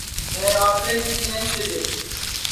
میں کِدھی اکڑے نائی کھیلے